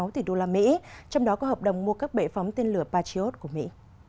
trong đó có hợp đồng mua các bệ phóng tên lửa patriot của mỹ